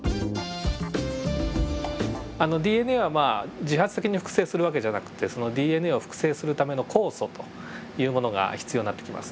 ＤＮＡはまあ自発的に複製する訳じゃなくてＤＮＡを複製するための酵素というものが必要になってきます。